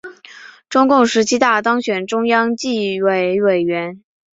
中共十七大当选中央纪委委员。